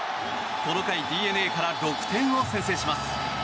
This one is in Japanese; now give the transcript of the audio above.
この回、ＤｅＮＡから６点を先制します。